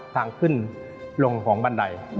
ทางขึ้นลงของบันได